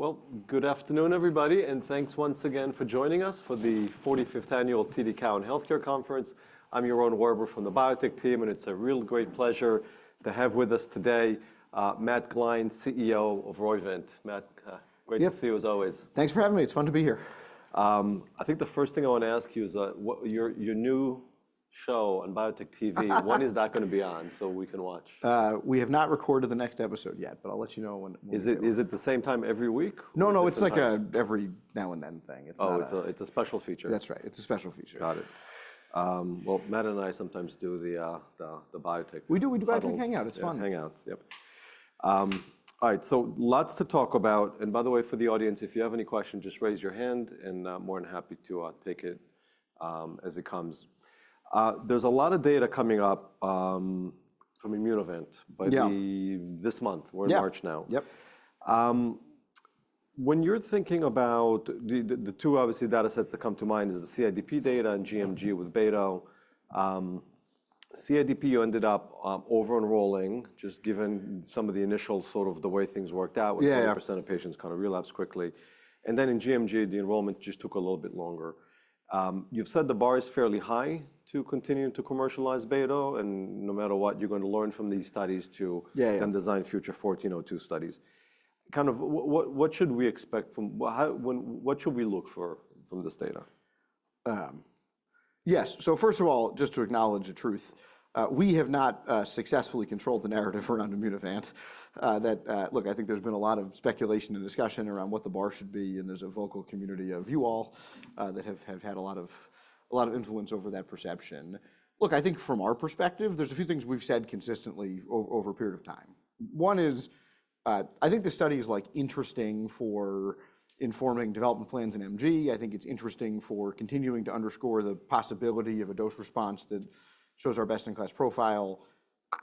Well, good afternoon, everybody, and thanks once again for joining us for the 45th Annual TD Cowen Health Care Conference. I'm Yaron Werber from the Biotech team, and it's a real great pleasure to have with us today, Matt Gline, CEO of Roivant. Matt, great to see you as always. Thanks for having me. It's fun to be here. I think the first thing I want to ask you is, what your new show on Biotech TV, when is that going to be on so we can watch? We have not recorded the next episode yet, but I'll let you know when. Is it the same time every week? No, no, it's like every now and then thing. It's not. Oh, it's a special feature. That's right. It's a special feature. Got it, well, Matt and I sometimes do the Biotech. We do, we do Biotech hangouts it's fun. Yep. All right, so lots to talk about, and by the way, for the audience, if you have any questions, just raise your hand and more than happy to take it as it comes. There's a lot of data coming up from Immunovant by the this month. We're in March now. Yep. When you're thinking about the two obviously data sets that come to mind is the CIDP data and gMG with beto. CIDP, you ended up over-enrolling just given some of the initial sort of the way things worked out with 10% of patients kind of relapse quickly. And then in gMG, the enrollment just took a little bit longer. You've said the bar is fairly high to continue to commercialize beto, and no matter what, you're going to learn from these studies to then design future 1402 studies. Kind of what should we expect from, how, when, what should we look for from this data? Yes. So first of all, just to acknowledge the truth, we have not successfully controlled the narrative around Immunovant. That look, I think there's been a lot of speculation and discussion around what the bar should be. And there's a vocal community of you all that have had a lot of influence over that perception. Look, I think from our perspective, there's a few things we've said consistently over a period of time. One is, I think the study is like interesting for informing development plans in MG. I think it's interesting for continuing to underscore the possibility of a dose response that shows our best in class profile.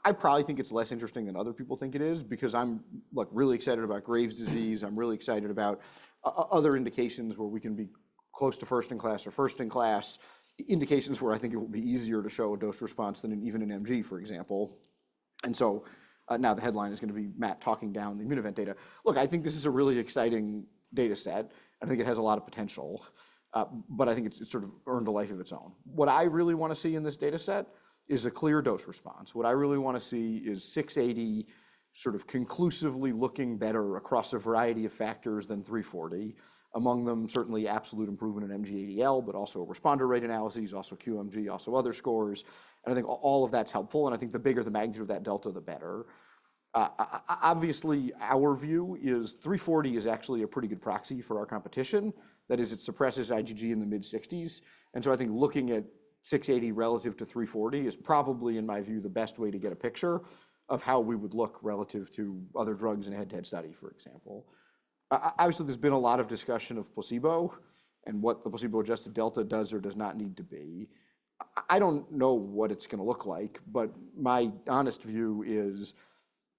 I probably think it's less interesting than other people think it is because I'm like really excited about Graves' disease. I'm really excited about other indications where we can be close to first in class or first in class indications where I think it will be easier to show a dose response than even in MG, for example. And so, now the headline is going to be Matt talking down the Immunovant data. Look, I think this is a really exciting data set. I think it has a lot of potential, but I think it's, it's sort of earned a life of its own. What I really want to see in this data set is a clear dose response. What I really want to see is 680 sort of conclusively looking better across a variety of factors than 340. Among them, certainly absolute improvement in MG-ADL, but also responder rate analyses, also QMG, also other scores. And I think all of that's helpful. I think the bigger the magnitude of that delta, the better. Obviously our view is 340 is actually a pretty good proxy for our competition. That is, it suppresses IgG in the mid-60s. So I think looking at 680 relative to 340 is probably, in my view, the best way to get a picture of how we would look relative to other drugs in a head-to-head study, for example. Obviously there's been a lot of discussion of placebo and what the placebo-adjusted delta does or does not need to be. I don't know what it's going to look like, but my honest view is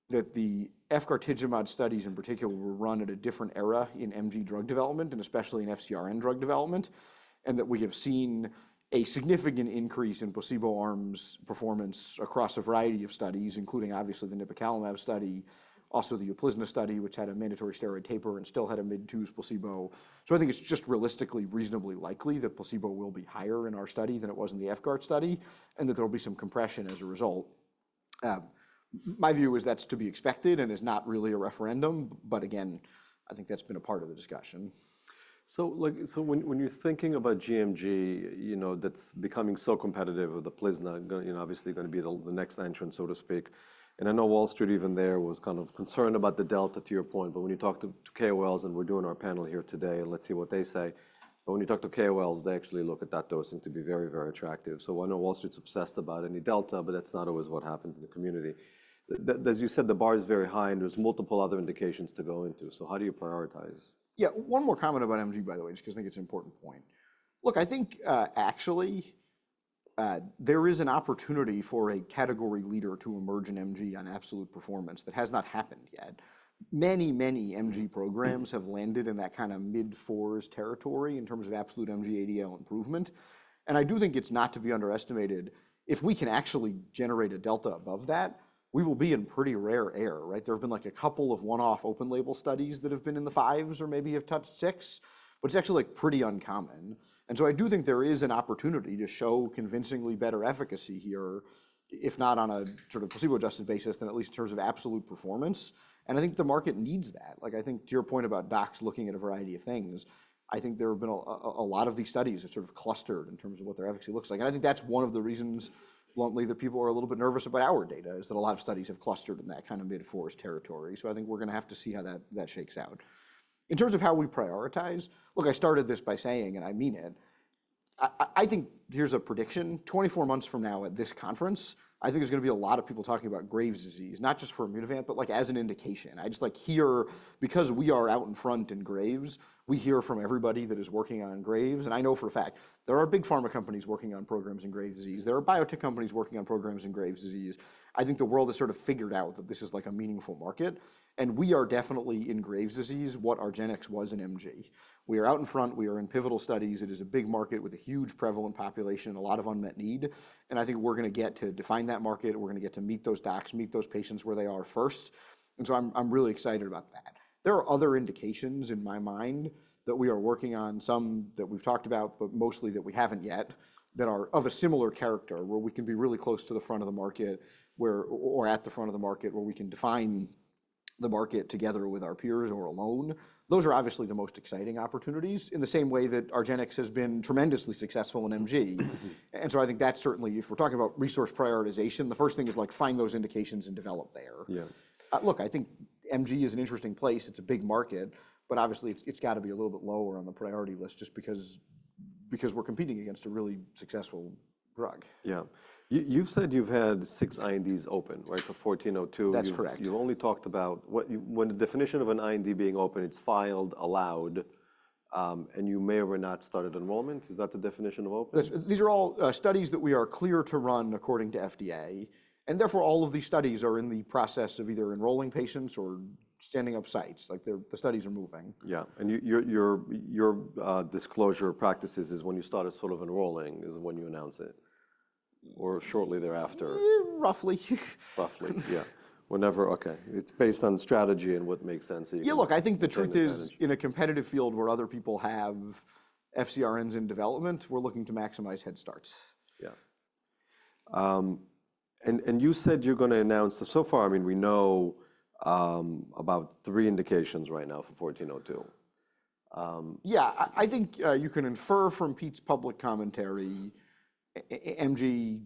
that the efgartigimod studies in particular were run at a different era in MG drug development and especially in FcRn drug development, and that we have seen a significant increase in placebo arms performance across a variety of studies, including obviously the nipocalimab study, also the efgartigimod study, which had a mandatory steroid taper and still had a mid-2s placebo. So I think it's just realistically reasonably likely that placebo will be higher in our study than it was in the efgartigimod study and that there'll be some compression as a result. My view is that's to be expected and is not really a referendum, but again, I think that's been a part of the discussion. So, like, when you're thinking about MG, you know, that's becoming so competitive with the plasma, you know, obviously going to be the next entrant, so to speak. And I know Wall Street, even there was kind of concerned about the delta to your point, but when you talk to KOLs and we're doing our panel here today, let's see what they say. But when you talk to KOLs, they actually look at that dosing to be very, very attractive. So I know Wall Street's obsessed about any delta, but that's not always what happens in the community. As you said, the bar is very high and there's multiple other indications to go into. So how do you prioritize? Yeah, one more comment about MG, by the way, just because I think it's an important point. Look, I think, actually, there is an opportunity for a category leader to emerge in MG on absolute performance that has not happened yet. Many, many MG programs have landed in that kind of mid-fours territory in terms of absolute MG ADL improvement. And I do think it's not to be underestimated. If we can actually generate a delta above that, we will be in pretty rare air, right? There have been like a couple of one-off open label studies that have been in the fives or maybe have touched six, but it's actually like pretty uncommon. And so I do think there is an opportunity to show convincingly better efficacy here, if not on a sort of placebo-adjusted basis, then at least in terms of absolute performance. And I think the market needs that. Like, I think to your point about docs looking at a variety of things, I think there have been a lot of these studies that sort of clustered in terms of what their efficacy looks like. And I think that's one of the reasons, bluntly, that people are a little bit nervous about our data is that a lot of studies have clustered in that kind of mid-fours territory. So I think we're going to have to see how that shakes out. In terms of how we prioritize, look, I started this by saying, and I mean it, I think here's a prediction. 24 months from now at this conference, I think there's going to be a lot of people talking about Graves' disease, not just for Immunovant, but like as an indication. I just like to hear, because we are out in front in Graves', we hear from everybody that is working on Graves'. I know for a fact, there are big pharma companies working on programs in Graves' disease. There are Biotech companies working on programs in Graves' disease. I think the world has sort of figured out that this is like a meaningful market. We are definitely in Graves' disease what argenx was in MG. We are out in front. We are in pivotal studies. It is a big market with a huge prevalent population, a lot of unmet need. I think we're going to get to define that market. We're going to get to meet those docs, meet those patients where they are first. So I'm really excited about that. There are other indications in my mind that we are working on, some that we've talked about, but mostly that we haven't yet, that are of a similar character where we can be really close to the front of the market, where, or at the front of the market where we can define the market together with our peers or alone. Those are obviously the most exciting opportunities in the same way that argenx has been tremendously successful in MG, and so I think that's certainly, if we're talking about resource prioritization, the first thing is like find those indications and develop there. Yeah. Look, I think MG is an interesting place. It's a big market, but obviously it's got to be a little bit lower on the priority list just because we're competing against a really successful drug. Yeah. You've said you've had six INDs open, right? For 1402. That's correct. You've only talked about what, when the definition of an IND being open, it's filed, allowed, and you may or may not started enrollment. Is that the definition of open? These are all studies that we are clear to run according to FDA. Therefore all of these studies are in the process of either enrolling patients or standing up sites. Like the studies are moving. Yeah. And your disclosure practices is when you started sort of enrolling is when you announce it or shortly thereafter. Roughly. Roughly. Yeah. Whenever, okay. It's based on strategy and what makes sense to you. Yeah. Look, I think the truth is in a competitive field where other people have FcRns in development, we're looking to maximize head starts. Yeah, and you said you're going to announce this so far. I mean, we know about three indications right now for 1402. Yeah. I think, you can infer from Pete's public commentary, MG,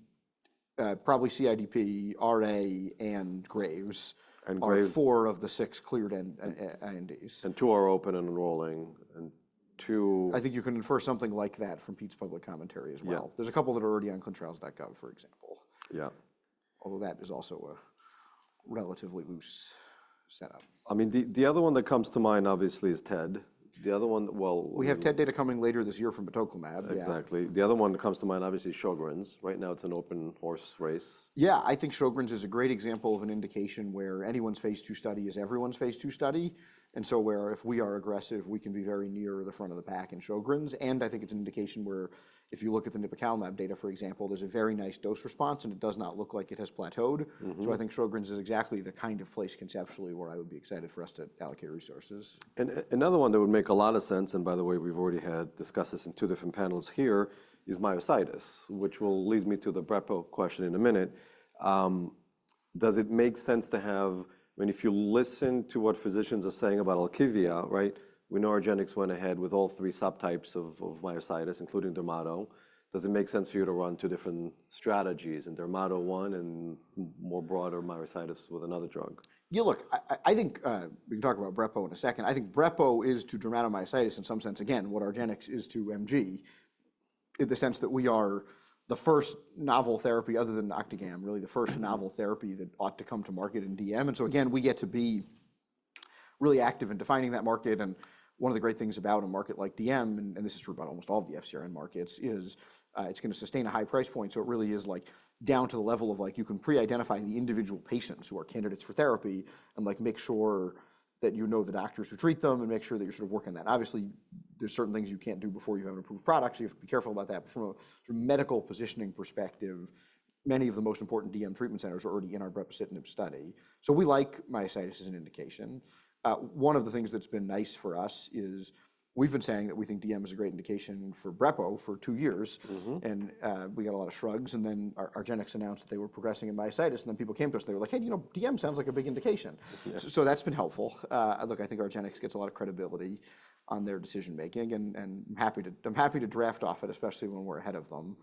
probably CIDP, RA, and Graves'. And Graves'. Are four of the six cleared INDs? And two are open and enrolling, and two. I think you can infer something like that from Pete's public commentary as well. There's a couple that are already on ClinicalTrials.gov, for example. Yeah. Although that is also a relatively loose setup. I mean, the other one that comes to mind obviously is TED. The other one, well. We have TED data coming later this year from batoclimab. Exactly. The other one that comes to mind obviously is Sjögren’s. Right now it's an open horse race. Yeah. I think Sjögren’s is a great example of an indication where anyone's phase II study is everyone's phase II study. And so where if we are aggressive, we can be very near the front of the pack in Sjögren’s. And I think it's an indication where if you look at the nipocalimab data, for example, there's a very nice dose response and it does not look like it has plateaued. So I think Sjögren’s is exactly the kind of place conceptually where I would be excited for us to allocate resources. And another one that would make a lot of sense, and by the way, we've already had discussed this in two different panels here, is myositis, which will lead me to the brepo question in a minute. Does it make sense to have, I mean, if you listen to what physicians are saying about ALKIVIA, right? We know argenx went ahead with all three subtypes of myositis, including Dermato. Does it make sense for you to run two different strategies and Dermato one and more broader myositis with another drug? Yeah. Look, I think we can talk about brepo a second. I think brepo is to dermatomyositis in some sense. Again, what argenx is to MG in the sense that we are the first novel therapy other than OCTAGAM, really the first novel therapy that ought to come to market in DM. And so again, we get to be really active in defining that market. And one of the great things about a market like DM, and this is true about almost all the FcRn markets, is it's going to sustain a high price point. So it really is like down to the level of like, you can pre-identify the individual patients who are candidates for therapy and like make sure that you know the doctors who treat them and make sure that you're sort of working on that. Obviously, there's certain things you can't do before you have an approved product. So you have to be careful about that. But from a sort of medical positioning perspective, many of the most important DM treatment centers are already in our brepocitinib study. So we like myositis as an indication. One of the things that's been nice for us is we've been saying that we think DM is a great indication for brepo for two years. And we got a lot of shrugs and then argenx announced that they were progressing in myositis. And then people came to us and they were like, hey, you know, DM sounds like a big indication. So that's been helpful. Look, I think argenx gets a lot of credibility on their decision making and I'm happy to, I'm happy to draft off it, especially when we're ahead of them.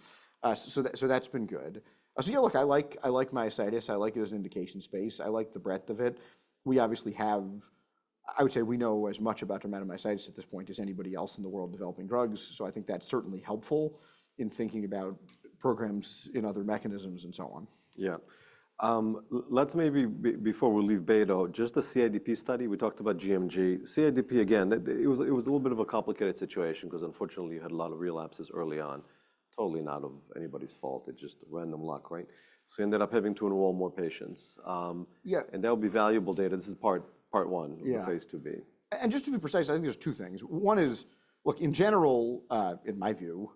So that, so that's been good. So yeah, look, I like, I like myositis. I like it as an indication space. I like the breadth of it. We obviously have, I would say we know as much about dermatomyositis at this point as anybody else in the world developing drugs. So I think that's certainly helpful in thinking about programs in other mechanisms and so on. Yeah. Let's maybe, before we leave beto, just the CIDP study. We talked about MG. CIDP, again, it was a little bit of a complicated situation because unfortunately you had a lot of relapses early on. Totally not of anybody's fault. It's just random luck, right? So you ended up having to enroll more patients. And that'll be valuable data. This is part one, phase II-B. Just to be precise, I think there's two things. One is, look, in general, in my view,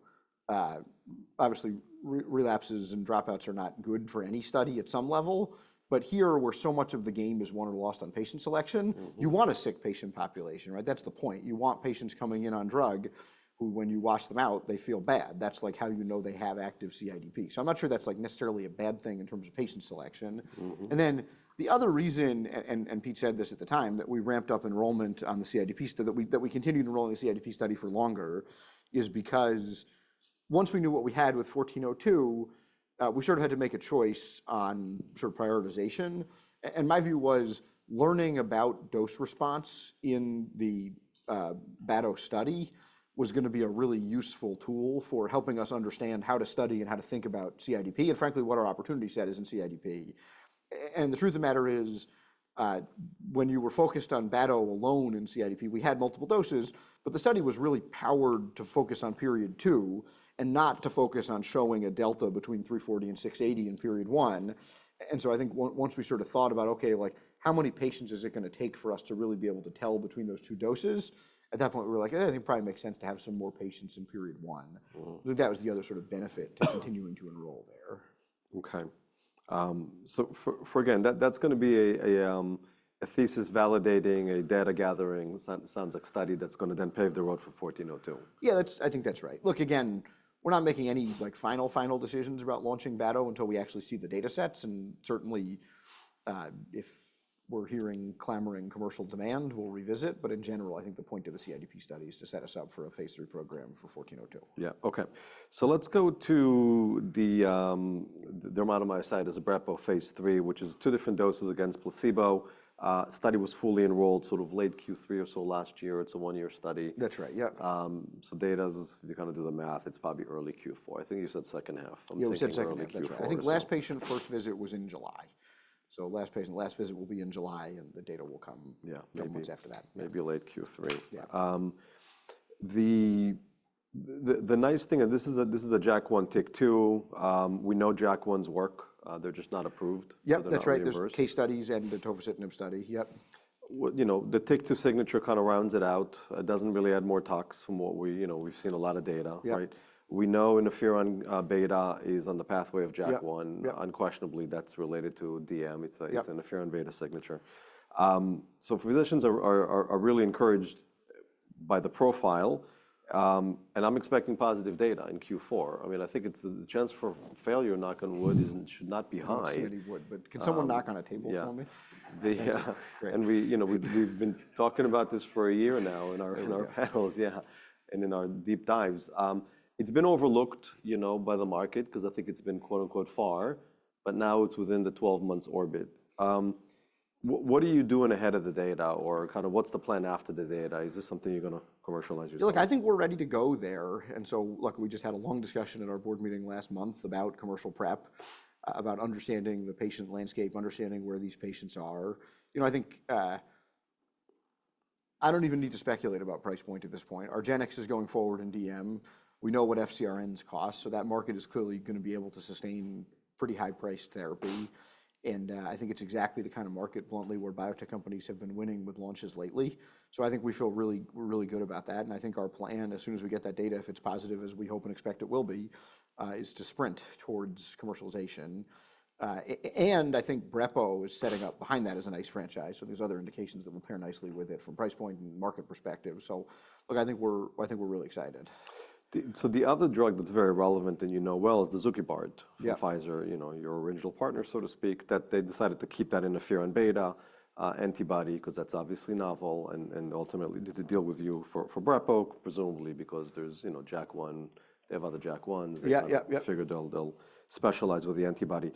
obviously relapses and dropouts are not good for any study at some level. But here where so much of the game is won or lost on patient selection, you want a sick patient population, right? That's the point. You want patients coming in on drug who, when you wash them out, they feel bad. That's like how you know they have active CIDP. So I'm not sure that's like necessarily a bad thing in terms of patient selection. Then the other reason, and Pete said this at the time, that we ramped up enrollment on the CIDP so that we continued enrolling the CIDP study for longer is because once we knew what we had with 1402, we sort of had to make a choice on sort of prioritization. My view was learning about dose response in the beto study was going to be a really useful tool for helping us understand how to study and how to think about CIDP and frankly what our opportunity set is in CIDP. The truth of the matter is, when you were focused on beto alone in CIDP, we had multiple doses, but the study was really powered to focus on period two and not to focus on showing a delta between 340 and 680 in period one. And so I think once we sort of thought about, okay, like how many patients is it going to take for us to really be able to tell between those two doses? At that point, we were like, yeah, I think it probably makes sense to have some more patients in period one. I think that was the other sort of benefit to continuing to enroll there. Okay, so for again, that's going to be a thesis validating a data gathering. Sounds like study that's going to then pave the road for 1402. Yeah, that's, I think that's right. Look, again, we're not making any like final decisions about launching beto until we actually see the data sets, and certainly, if we're hearing clamoring commercial demand, we'll revisit, but in general, I think the point of the CIDP study is to set us up for a phase III program for 1402. So let's go to the dermatomyositis BREPO phase III, which is two different doses against placebo study, was fully enrolled sort of late Q3 or so last year. It's a one-year study. That's right. Yeah. So, data is. You kind of do the math. It's probably early Q4. I think you said second half. Yeah, we said second half. I think last patient first visit was in July. So last patient, last visit will be in July and the data will come a few months after that. Maybe late Q3. Yeah. The nice thing is this is a JAK1 TYK2. We know JAK1's work. They're just not approved. Yeah, that's right. There's case studies and the Tofacitinib study. Yep. You know, the TYK2 signature kind of rounds it out. It doesn't really add more talks from what we, you know, we've seen a lot of data, right? We know interferon beta is on the pathway of JAK1. Unquestionably, that's related to DM. It's an interferon beta signature. So physicians are really encouraged by the profile. And I'm expecting positive data in Q4. I mean, I think it's the chance for failure, knock on wood, isn't, should not be high. It's really wood, but can someone knock on a table for me? Yeah. And we, you know, we've been talking about this for a year now in our, in our panels. Yeah. And in our deep dives, it's been overlooked, you know, by the market because I think it's been quote unquote far, but now it's within the 12 months orbit. What are you doing ahead of the data or kind of what's the plan after the data? Is this something you're going to commercialize yourself? Look, I think we're ready to go there. And so look, we just had a long discussion in our board meeting last month about commercial prep, about understanding the patient landscape, understanding where these patients are. You know, I think, I don't even need to speculate about price point at this point. argenx is going forward in DM. We know what FcRns cost. So that market is clearly going to be able to sustain pretty high priced therapy. And, I think it's exactly the kind of market bluntly where biotech companies have been winning with launches lately. So I think we feel really, we're really good about that. And I think our plan, as soon as we get that data, if it's positive, as we hope and expect it will be, is to sprint towards commercialization. And I think brepo is setting up behind that as a nice franchise. So there's other indications that will pair nicely with it from price point and market perspective. So look, I think we're really excited. So the other drug that's very relevant and you know well is the dazudalimab and Pfizer, you know, your original partner, so to speak, that they decided to keep that interferon beta antibody because that's obviously novel and ultimately didn't do a deal with you for brepo, presumably because there's, you know, JAK1, they have other JAK ones. They kind of figured they'll specialize with the antibody.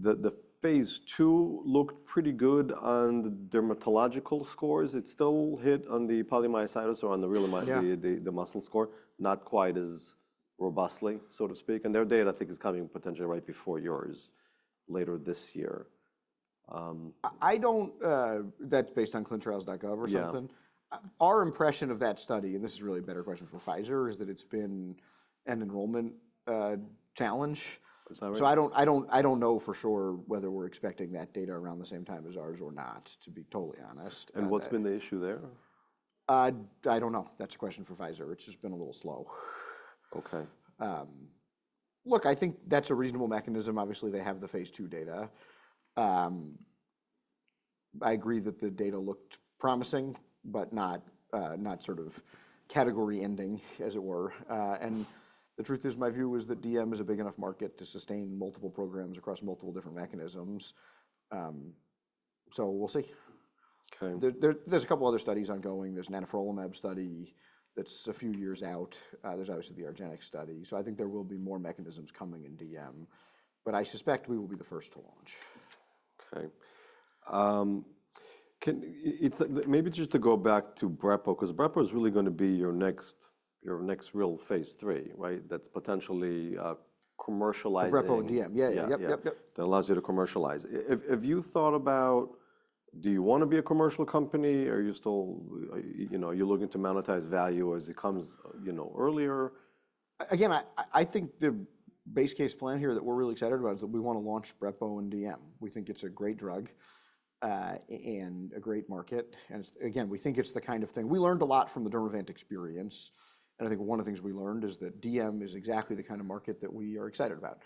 The phase II looked pretty good on the dermatological scores. It still hit on the polymyositis or on the dermatomyositis, the muscle score, not quite as robustly, so to speak. And their data, I think, is coming potentially right before yours later this year. I don't. That's based on ClinicalTrials.gov or something. Our impression of that study, and this is really a better question for Pfizer, is that it's been an enrollment challenge. So I don't know for sure whether we're expecting that data around the same time as ours or not, to be totally honest. What's been the issue there? I don't know. That's a question for Pfizer. It's just been a little slow. Okay. Look, I think that's a reasonable mechanism. Obviously, they have the phase II data. I agree that the data looked promising, but not, not sort of category ending, as it were. And the truth is my view is that DM is a big enough market to sustain multiple programs across multiple different mechanisms. So we'll see. Okay. There's a couple other studies ongoing. There's an anifrolumab study that's a few years out. There's obviously the argenx study. So I think there will be more mechanisms coming in DM, but I suspect we will be the first to launch. Okay, can we just maybe go back to brepo, becauserepo is really going to be your next real phase II, right? That's potentially a commercializing. Brepo DM. Yeah. Yeah. Yep. Yep. Yep. That allows you to commercialize. Have you thought about, do you want to be a commercial company? Are you still, you know, are you looking to monetize value as it comes, you know, earlier? Again, I think the base case plan here that we're really excited about is that we want to launch Brepo and DM. We think it's a great drug, and a great market. And it's, again, we think it's the kind of thing we learned a lot from the Dermavant experience. And I think one of the things we learned is that DM is exactly the kind of market that we are excited about.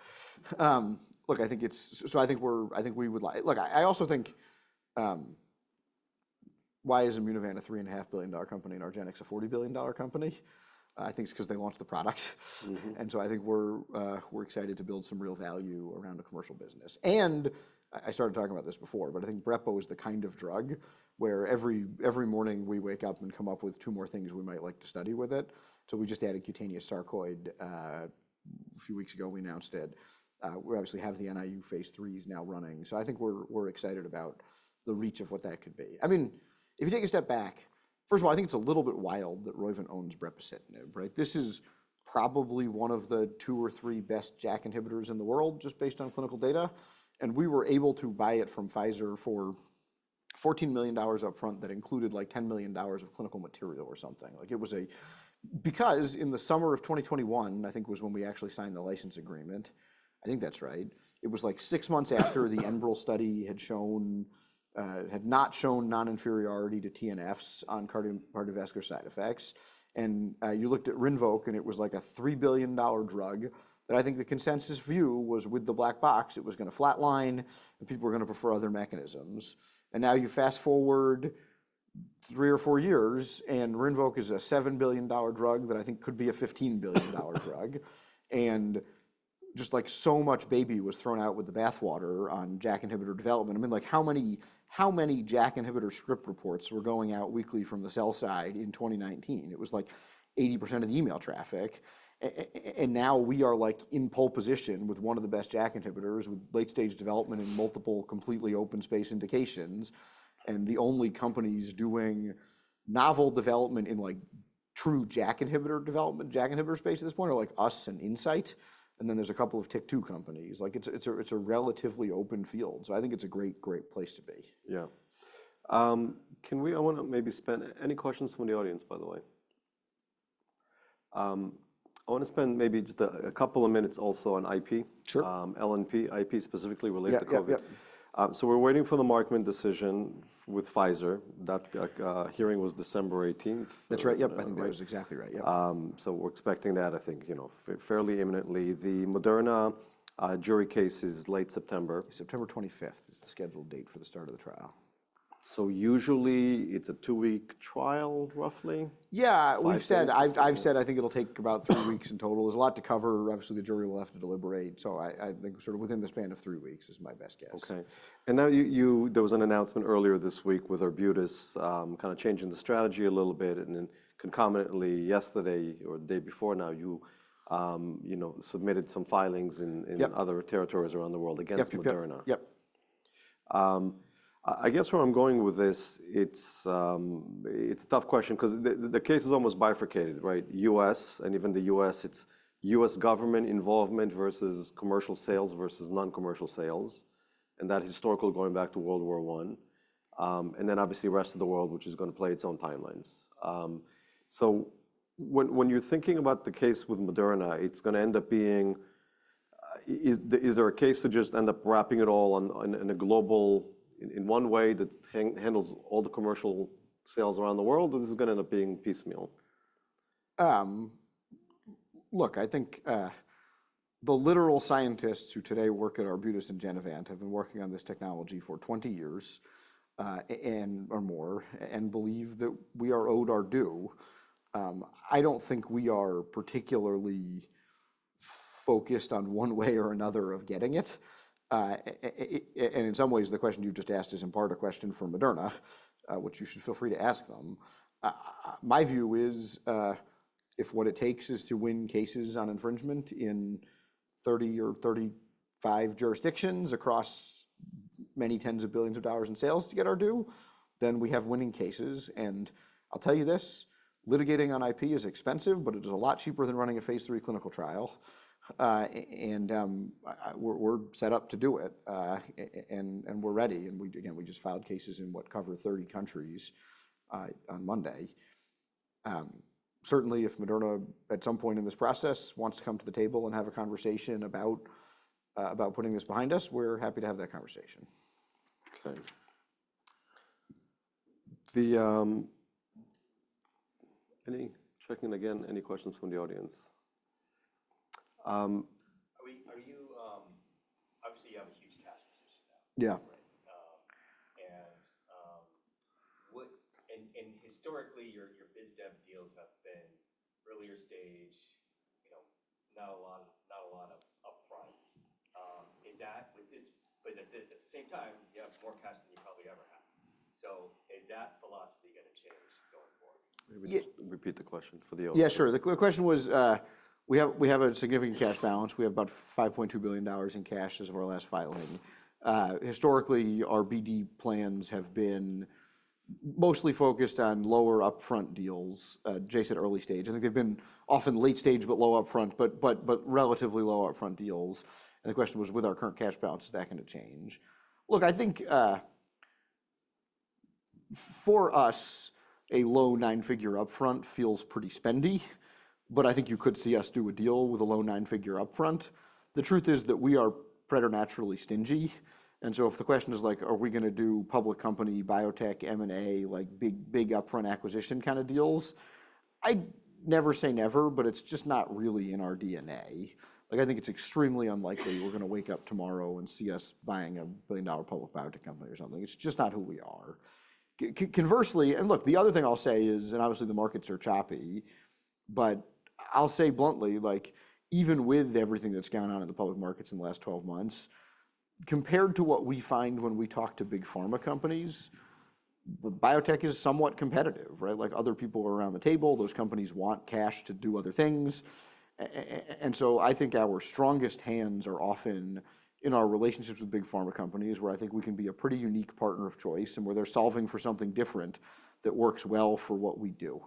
Why is Immunovant a $3.5 billion-dollar company and argenx a $40 billion-dollar company? I think it's because they launched the product. And so I think we're excited to build some real value around a commercial business. I started talking about this before, but I think brrepo is the kind of drug where every morning we wake up and come up with two more things we might like to study with it. We just added cutaneous sarcoid a few weeks ago; we announced it. We obviously have the NIU phase III that is now running. I think we're excited about the reach of what that could be. I mean, if you take a step back, first of all, I think it's a little bit wild that Roivant owns brepocitinib, right? This is probably one of the two or three best JAK inhibitors in the world just based on clinical data, and we were able to buy it from Pfizer for $14 million upfront that included like $10 million of clinical material or something. Like it was a, because in the summer of 2021, I think it was when we actually signed the license agreement. I think that's right. It was like six months after the Enbrel study had shown, had not shown non-inferiority to TNFs on cardiovascular side effects, and you looked at Rinvoq and it was like a $3 billion drug, but I think the consensus view was with the black box, it was going to flatline and people were going to prefer other mechanisms, and now you fast forward three or four years and Rinvoq is a $7 billion drug that I think could be a $15 billion drug, and just like so much baby was thrown out with the bathwater on JAK inhibitor development. I mean, like how many JAK inhibitor script reports were going out weekly from the sell side in 2019? It was like 80% of the email traffic, and now we are like in pole position with one of the best JAK inhibitors with late stage development and multiple completely open space indications, and the only companies doing novel development in like true JAK inhibitor development, JAK inhibitor space at this point are like us and Incyte, and then there's a couple of TYK2 companies. Like it's a relatively open field. So I think it's a great, great place to be. Yeah. Can we take any questions from the audience, by the way? I want to spend maybe just a couple of minutes also on IP. LNP IP specifically related to COVID, so we're waiting for the Markman decision with Pfizer. That hearing was December 18th. That's right. Yep. I think that was exactly right. Yep. So we're expecting that, I think, you know, fairly imminently. The Moderna jury case is late September. September 25th is the scheduled date for the start of the trial. So usually it's a two week trial, roughly? Yeah, we've said, I've said, I think it'll take about three weeks in total. There's a lot to cover. Obviously, the jury will have to deliberate. So I think sort of within the span of three weeks is my best guess. Okay, and now there was an announcement earlier this week with Arbutus, kind of changing the strategy a little bit and then concomitantly yesterday or the day before, now you know, submitted some filings in other territories around the world against Moderna. Yep. I guess where I'm going with this, it's a tough question because the case is almost bifurcated, right? U.S. and even the U.S., it's U.S. government involvement versus commercial sales versus non-commercial sales. And that historical going back to World War I, and then obviously rest of the world, which is going to play its own timelines. So when you're thinking about the case with Moderna, it's going to end up being, is there a case to just end up wrapping it all in a global, in one way that handles all the commercial sales around the world or this is going to end up being piecemeal? Look, I think, the literal scientists who today work at Arbutus and Genevant have been working on this technology for 20 years, and or more, and believe that we are owed our due. I don't think we are particularly focused on one way or another of getting it, and in some ways, the question you just asked is in part a question for Moderna, which you should feel free to ask them. My view is, if what it takes is to win cases on infringement in 30 or 35 jurisdictions across many tens of billions of dollars in sales to get our due, then we have winning cases, and I'll tell you this, litigating on IP is expensive, but it is a lot cheaper than running a phase III clinical trial, and, we're set up to do it, and we're ready. We, again, just filed cases in patents that cover 30 countries on Monday. Certainly if Moderna at some point in this process wants to come to the table and have a conversation about putting this behind us, we're happy to have that conversation. Okay. Any questions from the audience? Yeah. What, and historically your biz dev deals have been earlier stage, not a lot of upfront. Is that with this, but at the same time, you have more cash than you probably ever had. So is that philosophy going to change going forward? Maybe just repeat the question for the audience. Yeah, sure. The question was, we have a significant cash balance. We have about $5.2 billion in cash as of our last filing. Historically, our BD plans have been mostly focused on lower upfront deals, Jay said early stage. I think they've been often late stage, but low upfront, but relatively low upfront deals. And the question was, with our current cash balance, is that going to change? Look, I think, for us, a low nine figure upfront feels pretty spendy, but I think you could see us do a deal with a low nine figure upfront. The truth is that we are preternaturally stingy. And so if the question is like, are we going to do public company, biotech, M&A, like big, big upfront acquisition kind of deals? I never say never, but it's just not really in our DNA. Like I think it's extremely unlikely we're going to wake up tomorrow and see us buying a billion dollar public biotech company or something. It's just not who we are. Conversely, and look, the other thing I'll say is, and obviously the markets are choppy, but I'll say bluntly, like even with everything that's gone on in the public markets in the last 12 months, compared to what we find when we talk to big pharma companies, Biotech is somewhat competitive, right? Like other people are around the table, those companies want cash to do other things. And so I think our strongest hands are often in our relationships with big pharma companies where I think we can be a pretty unique partner of choice and where they're solving for something different that works well for what we do.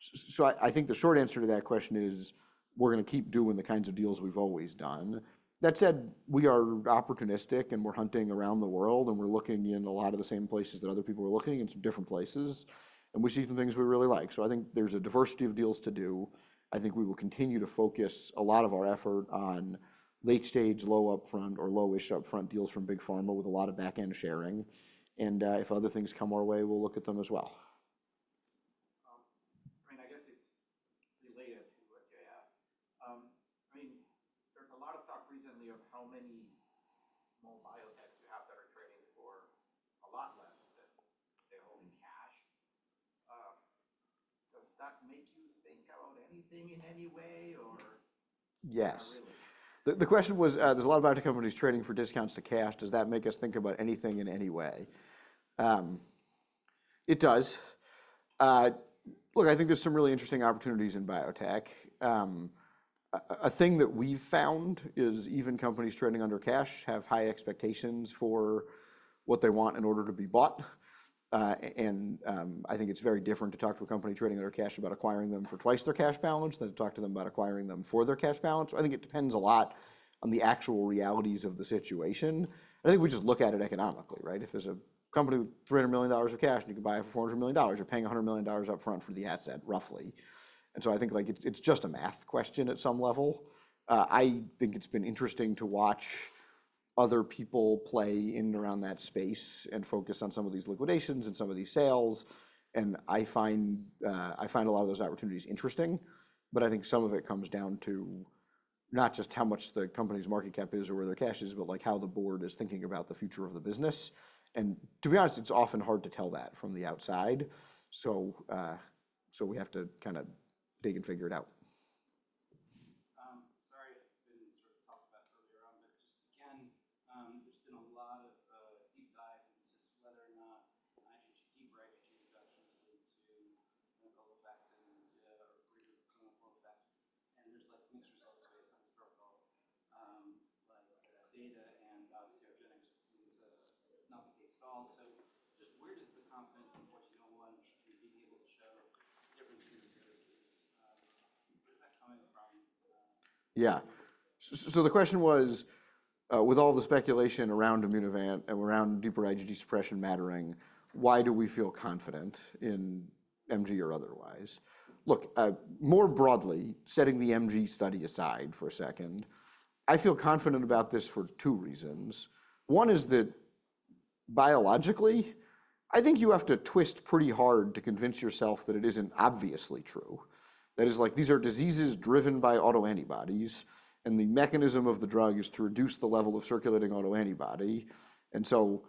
So I think the short answer to that question is we're going to keep doing the kinds of deals we've always done. That said, we are opportunistic and we're hunting around the world and we're looking in a lot of the same places that other people are looking in some different places and we see some things we really like. So I think there's a diversity of deals to do. I think we will continue to focus a lot of our effort on late stage, low upfront or lowish upfront deals from big pharma with a lot of back end sharing. And, if other things come our way, we'll look at them as well. Being there's a lot of talk recently of how many small Biotech you have that are trading for a lot less than they're holding cash. Not making anything in any way? Yes. The question was, there's a lot of biotech companies trading for discounts to cash. Does that make us think about anything in any way? It does. Look, I think there's some really interesting opportunities in biotech. A thing that we've found is even companies trading under cash have high expectations for what they want in order to be bought. And, I think it's very different to talk to a company trading under cash about acquiring them for twice their cash balance than to talk to them about acquiring them for their cash balance. I think it depends a lot on the actual realities of the situation. I think we just look at it economically, right? If there's a company with $300 million of cash and you can buy it for $400 million, you're paying $100 million upfront for the asset roughly. So I think like it's just a math question at some level. I think it's been interesting to watch other people play in and around that space and focus on some of these liquidations and some of these sales. I find a lot of those opportunities interesting, but I think some of it comes down to not just how much the company's market cap is or where their cash is, but like how the board is thinking about the future of the business. To be honest, it's often hard to tell that from the outside. We have to kind of dig and figure it out. Sorry, it's been really tough back earlier, but again, there's been a lot of deep dive to whether or not HPB or HGH is actually said to, like, all the fact that that a brief of clinical effects and there's like new results based on clinical data and obviously argenx is. It's not the case at all. So just where does the confidence in 1402 wants to be able to show? Yeah. So the question was, with all the speculation around Immunovant and around deeper IgG suppression mattering, why do we feel confident in MG or otherwise? Look, more broadly, setting the MG study aside for a second, I feel confident about this for two reasons. One is that biologically, I think you have to twist pretty hard to convince yourself that it isn't obviously true. That is like, these are diseases driven by autoantibodies and the mechanism of the drug is to reduce the level of circulating autoantibody. And so,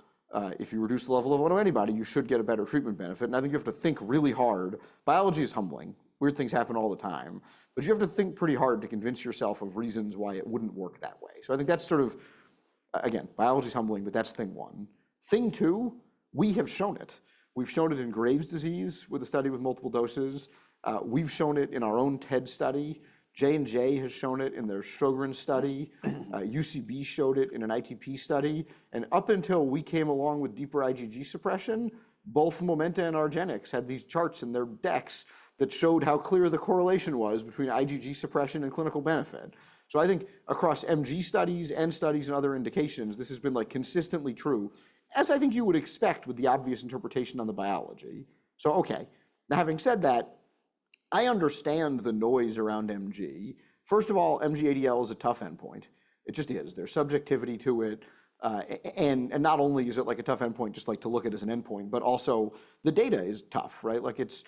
if you reduce the level of autoantibody, you should get a better treatment benefit. And I think you have to think really hard. Biology is humbling. Weird things happen all the time, but you have to think pretty hard to convince yourself of reasons why it wouldn't work that way. So I think that's sort of, again, biology is humbling, but that's thing one. Thing two, we have shown it. We've shown it in Graves' disease with a study with multiple doses. We've shown it in our own TED study. J&J has shown it in their Sjögren's study. UCB showed it in an ITP study. And up until we came along with deeper IgG suppression, both Momenta and argenx had these charts in their decks that showed how clear the correlation was between IgG suppression and clinical benefit. So I think across MG studies and studies and other indications, this has been like consistently true, as I think you would expect with the obvious interpretation on the biology. So, okay, now having said that, I understand the noise around MG. First of all, MG ADL is a tough endpoint. It just is. There's subjectivity to it. Not only is it like a tough endpoint to look at as an endpoint, but also the data is tough, right? Like it's,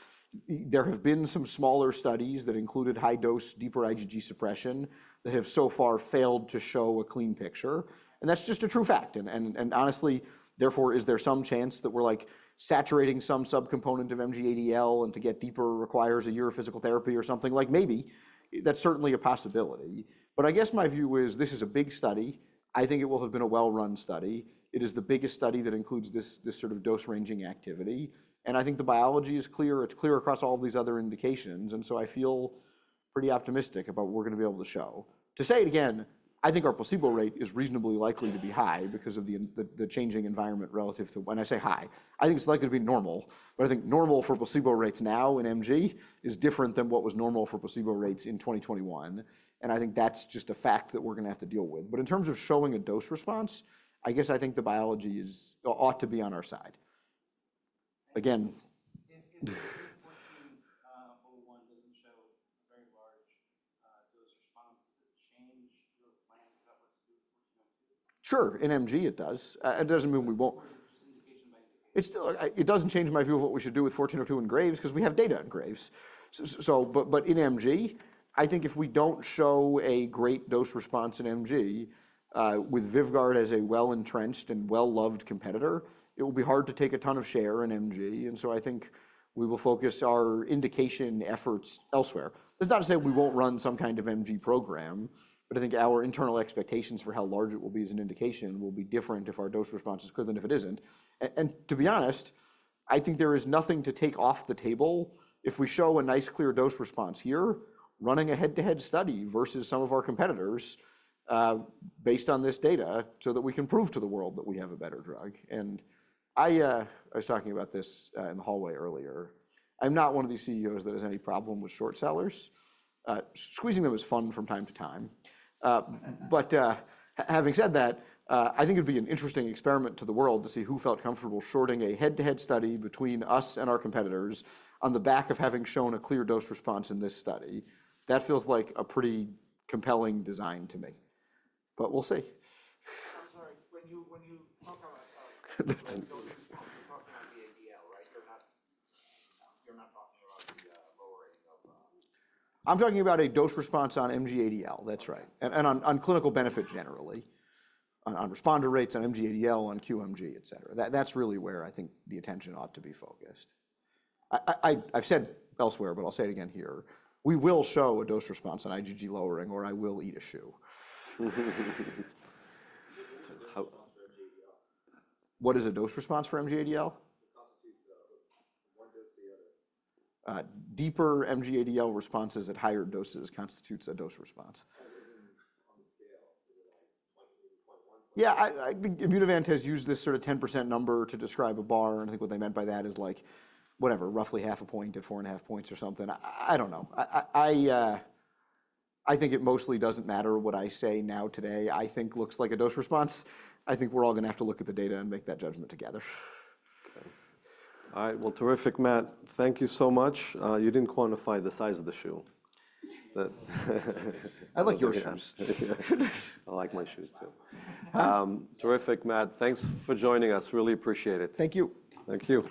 there have been some smaller studies that included high-dose deeper IgG suppression that have so far failed to show a clean picture. And that's just a true fact. And honestly, therefore, is there some chance that we're like saturating some subcomponent of MG-ADL and to get deeper requires a year of physical therapy or something like maybe that's certainly a possibility. But I guess my view is this is a big study. I think it will have been a well-run study. It is the biggest study that includes this sort of dose-ranging activity. And I think the biology is clear. It's clear across all these other indications. And so I feel pretty optimistic about what we're going to be able to show. To say it again, I think our placebo rate is reasonably likely to be high because of the changing environment relative to when I say high, I think it's likely to be normal, but I think normal for placebo rates now in MG is different than what was normal for placebo rates in 2021. And I think that's just a fact that we're going to have to deal with. But in terms of showing a dose response, I guess I think the biology is ought to be on our side. Again. Sure, in MG it does. It doesn't mean we won't. It's still, it doesn't change my view of what we should do with 1402 and Graves' because we have data in Graves'. But in MG, I think if we don't show a great dose response in MG, with VYVGART as a well-entrenched and well-loved competitor, it will be hard to take a ton of share in MG. And so I think we will focus our indication efforts elsewhere. That's not to say we won't run some kind of MG program, but I think our internal expectations for how large it will be as an indication will be different if our dose response is good than if it isn't. And to be honest, I think there is nothing to take off the table if we show a nice clear dose response here, running a head-to-head study versus some of our competitors, based on this data so that we can prove to the world that we have a better drug. And I was talking about this in the hallway earlier. I'm not one of these CEOs that has any problem with short sellers. Squeezing them is fun from time to time. But, having said that, I think it'd be an interesting experiment to the world to see who felt comfortable shorting a head-to-head study between us and our competitors on the back of having shown a clear dose response in this study. That feels like a pretty compelling design to me. But we'll see. When you talk about a dose response on MG-ADL, that's right, and on clinical benefit generally, on responder rates on MG-ADL, on QMG, et cetera. That's really where I think the attention ought to be focused. I've said elsewhere, but I'll say it again here. We will show a dose response on IgG lowering or I will eat a shoe. What is a dose response for MG-ADL? Deeper MG-ADL responses at higher doses constitutes a dose response. Yeah, I think Immunovant has used this sort of 10% number to describe a bar. And I think what they meant by that is like, whatever, roughly half a point to four and a half points or something. I don't know. I think it mostly doesn't matter what I say now today. I think looks like a dose response. I think we're all going to have to look at the data and make that judgment together. Okay. All right. Terrific, Matt. Thank you so much. You didn't quantify the size of the shoe. I like your shoes. I like my shoes too. Terrific, Matt. Thanks for joining us. Really appreciate it. Thank you. Thank you.